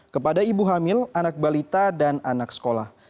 kepada ibu hamil anak balita dan anak sekolah